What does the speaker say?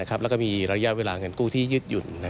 แล้วก็มีระยะเวลาเงินกู้ที่ยืดหยุ่น